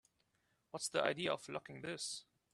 What's the idea of locking this?